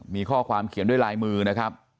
มีข้อความเขียนด้วยลายมือนะครับ